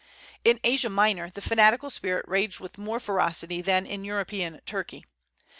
In Asia Minor the fanatical spirit raged with more ferocity than in European Turkey.